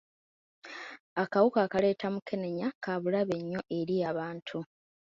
Akawuka akaleeta mukenenya ka bulabe nnyo eri abantu.